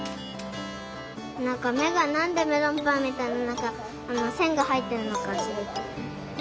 なんかめがなんでメロンパンみたいななんかせんがはいってるのかしりたい。